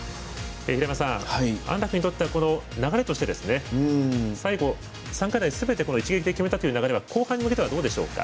平山さん、安楽にとっては流れとして最後、３課題、すべて一撃で決めたというのは後半に向けてどうでしょうか？